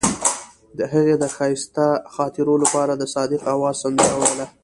هغې د ښایسته خاطرو لپاره د صادق اواز سندره ویله.